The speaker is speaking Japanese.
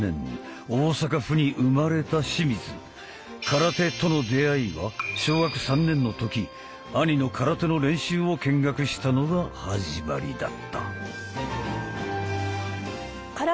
空手との出会いは小学３年の時兄の空手の練習を見学したのが始まりだった。